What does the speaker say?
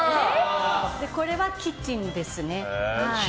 これはキッチンですね。